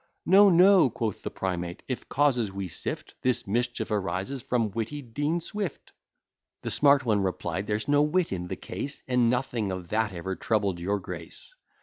"No, no," quoth the Primate, "if causes we sift, This mischief arises from witty Dean Swift." The smart one replied, "There's no wit in the case; And nothing of that ever troubled your grace.